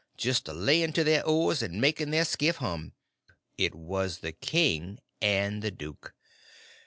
—and just a laying to their oars and making their skiff hum! It was the king and the duke.